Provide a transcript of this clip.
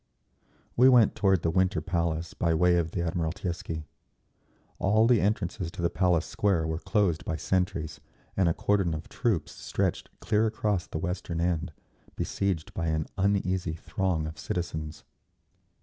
We went toward the Winter Palace by way of the Admiralteisky. All the entrances to the Palace Square were closed by sentries, and a cordon of troops stretched clear across the western end, besieged by an uneasy throng of citizens.